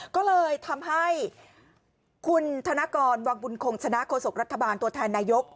ก็เลยทำให้คุณธนกรวังบุญคงชนะโฆษกรัฐบาลตัวแทนนายก